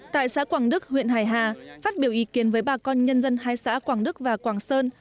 tại xã quảng đức huyện hải hà phát biểu ý kiến với bà con nhân dân hai xã quảng đức và quảng sơn